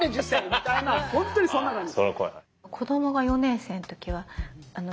みたいな本当にそんな感じ。